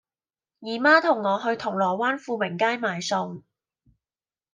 姨媽同我去銅鑼灣富明街買餸